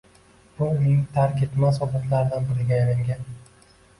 Bu uning tark etmas odatlaridan biriga aylangan